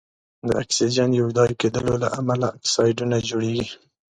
د اکسیجن یو ځای کیدلو له امله اکسایدونه جوړیږي.